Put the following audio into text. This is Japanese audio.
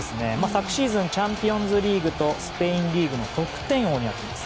昨シーズンチャンピオンズリーグとスペインリーグの得点王になっています。